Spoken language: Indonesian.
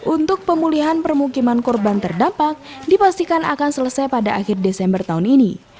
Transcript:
untuk pemulihan permukiman korban terdampak dipastikan akan selesai pada akhir desember tahun ini